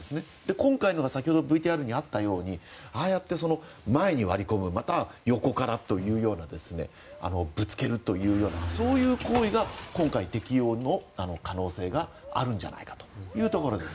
今回のが先ほどＶＴＲにあったようにああやって前に割り込むまたは横からというようなぶつけるというそういう行為が今回、適用の可能性があるんじゃないかというところです。